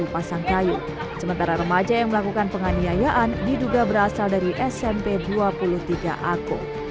pasangkayu sementara remaja yang melakukan penganiayaan diduga berasal dari smp dua puluh tiga ako